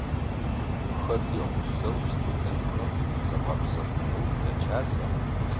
Хэт ягъусэу студентхэм загъэпсэфынэу якӏаса?